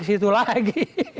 ke situ lagi